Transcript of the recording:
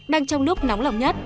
đang trong lúc nóng lỏng nhất